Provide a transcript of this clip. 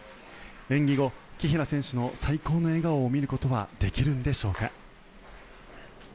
演技後、紀平選手の最高の笑顔を見ることはできるんでしょうか。